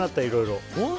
いろいろ。